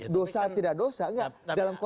dosa tidak dosa nggak